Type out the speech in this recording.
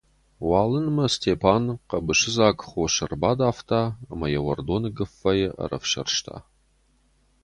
Уалынмӕ Степан хъӕбысы дзаг хос ӕрбадавта ӕмӕ йӕ уӕрдоны гуыффӕйы ӕрӕфсӕрста...